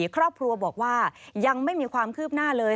ครอบครัวบอกว่ายังไม่มีความคืบหน้าเลย